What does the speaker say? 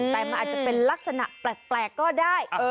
แต่มันอาจจะเป็นลักษณะแปลกก็ได้